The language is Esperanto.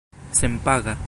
senpaga